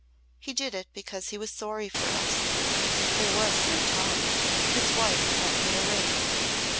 He did it because he was sorry for us. There was no time. His wife lent me a ring.